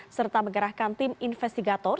serta menggerahkan tim investigator